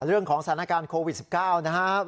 เรื่องของสถานการณ์โควิด๑๙นะครับ